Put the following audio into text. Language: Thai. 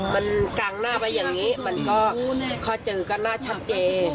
มันกางหน้าไปยังงี้มันก็ค่อเจอกันหน้าชัดเดน